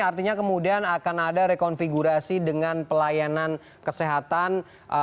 artinya kemudian akan ada rekonfigurasi dengan pelayanan kesehatan